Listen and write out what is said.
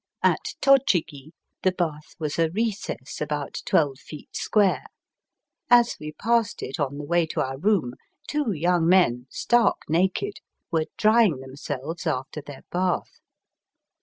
At Tochigi the bath was a recess about twelve feet square. As we passed it on the way to our room, two young men, stark naked, were drying themselves after their bath.